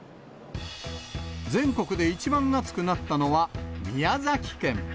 全国で一番暑くなったのは宮崎県。